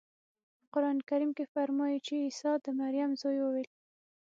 په قرانکریم کې فرمایي چې عیسی د مریم زوی وویل.